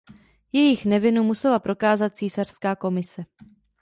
Jejich nevinu musela prokázat císařská komise.